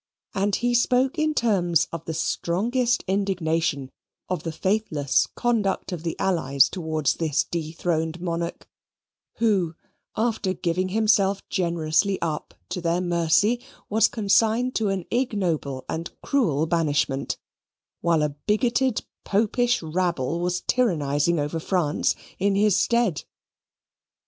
And he spoke in terms of the strongest indignation of the faithless conduct of the allies towards this dethroned monarch, who, after giving himself generously up to their mercy, was consigned to an ignoble and cruel banishment, while a bigoted Popish rabble was tyrannising over France in his stead.